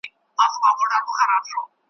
موږ پخپله ګناه کاریو ګیله نسته له شیطانه `